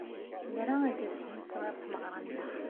Nra ad d-tasemt ɣer tmeɣra-nneɣ.